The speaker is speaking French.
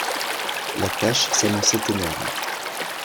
La tâche s'annonçait énorme.